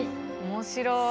面白い。